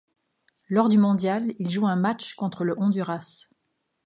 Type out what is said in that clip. Lors du mondial, il joue un match contre le Honduras.